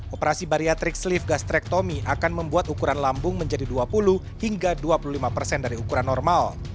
operasi bariatrik sleeve gastrectomy akan membuat ukuran lambung menjadi dua puluh hingga dua puluh lima persen dari ukuran normal